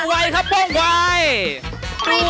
รบไว้ครับพวกไหว